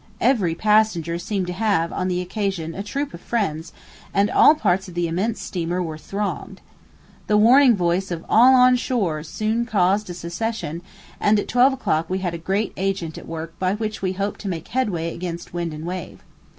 Every passenger seemed to have, on the occasion, a troop of friends, and all parts of the immense steamer were thronged. The warning voice of "all on shore" soon caused a secession, and at twelve o'clock we had the great agent at work by which we hoped to make headway against wind and wave.